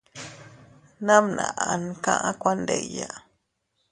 Namnaʼan kaʼa kuandiya.